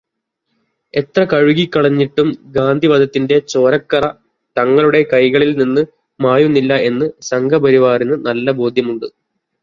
എത്ര കഴുകിക്കളഞ്ഞിട്ടും ഗാന്ധിവധത്തിന്റെ ചോരക്കറ തങ്ങളുടെ കൈകളിൽ നിന്ന് മായുന്നില്ല എന്ന് സംഘപരിവാരത്തിന് നല്ല ബോധ്യമുണ്ട്.